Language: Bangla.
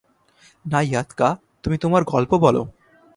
না, ইয়াদাকা, তুমি তোমার গল্প বলো।